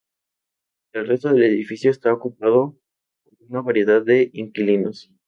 El resto del edificio está ocupado por una variedad de inquilinos.